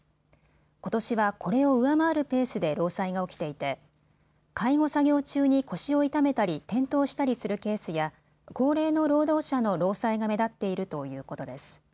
ことしはこれを上回るペースで労災が起きていて介護作業中に腰を痛めたり転倒したりするケースや高齢の労働者の労災が目立っているということです。